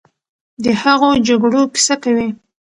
د هغو جګړو کیسه کوي،